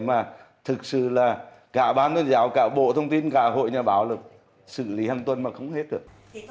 mà thực sự là cả ban tuyên giáo cả bộ thông tin cả hội nhà báo là xử lý hàng tuần mà không hết được